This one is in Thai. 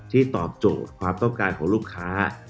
ตอบโจทย์ความต้องการของลูกค้า